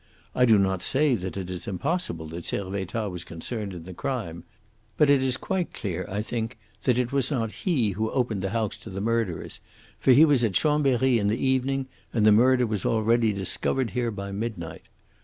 I do not say that it is impossible that Servettaz was concerned in the crime. That we shall see. But it is quite clear, I think, that it was not he who opened the house to the murderers, for he was at Chambery in the evening, and the murder was already discovered here by midnight.